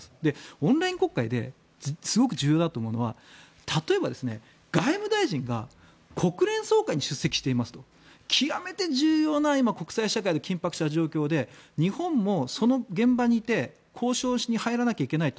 オンライン国会ですごく重要だと思うのは例えば、外務大臣が国連総会に出席していますと。極めて重要な国際社会が緊迫した状況で日本もその現場にいて交渉に入らなければいけないと。